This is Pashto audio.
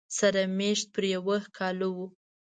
سره مېشت پر یو کاله و